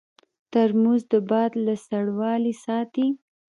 ترموز د باد له سړوالي ساتي.